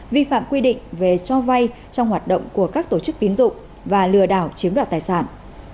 vi phạm quy định về cho vay trong hoạt động của các tổ chức tín dụng và lừa đảo chiếm đoạt tài sản